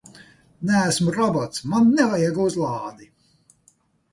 Neesmu robots, man nevajag uzlādi!